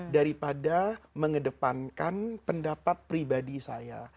daripada mengedepankan pendapat pribadi saya